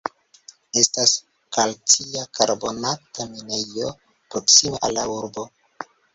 Estas kalcia karbonata minejo proksime al la urbo.